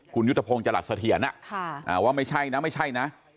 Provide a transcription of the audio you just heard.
คุณยุทธพงศ์จรัสเสถียรว่าไม่ใช่นะไม่ใช่นะ